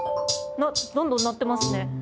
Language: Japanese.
どんどん鳴ってますね。